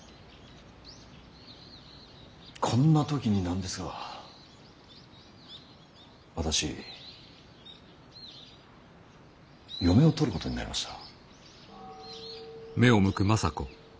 こんな時に何ですが私嫁を取ることになりました。